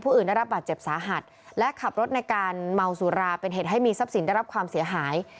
เป็นเหตุให้มีทรัพย์สินได้รับความเสียหาย